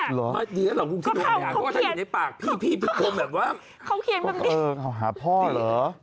เหรอเขาเขียนแบบนี้เขาหาพ่อเหรอเขาเขียนแบบนี้เออเขาหาพ่อเหรอ